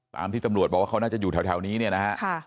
ที่ตำรวจบอกว่าเขาน่าจะอยู่แถวนี้เนี่ยนะฮะ